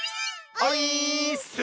オイーッス！